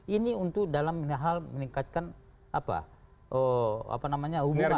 ini untuk dalam hal meningkatkan apa apa namanya hubungannya